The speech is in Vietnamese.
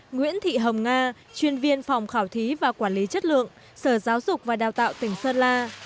nguyễn thị hồng nga chuyên viên phòng khảo thí và quản lý chất lượng sở giáo dục và đào tạo tỉnh sơn la